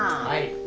はい。